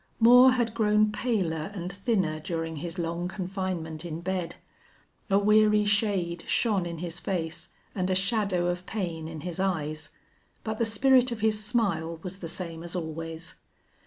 Moore had grown paler and thinner during his long confinement in bed. A weary shade shone in his face and a shadow of pain in his eyes. But the spirit of his smile was the same as always.